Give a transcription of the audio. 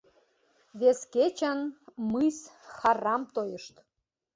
Вес кечын мыйс хӓррам тойышт.